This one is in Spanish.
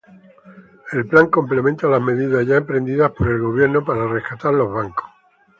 El plan complementa las medidas ya emprendidas por el Gobierno para rescatar los bancos.